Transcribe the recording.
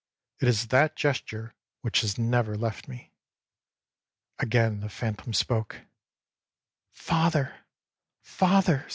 It is that gesture which has never left me. âAgain the phantom spoke: ââFather, father!